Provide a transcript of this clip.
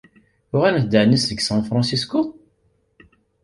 Uɣalent-d ɛni seg San Fransisco?